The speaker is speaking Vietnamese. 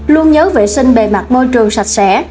luôn nhớ vệ sinh bề mặt môi trường sạch sẽ